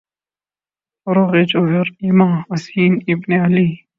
فروغِ جوہرِ ایماں، حسین ابنِ علی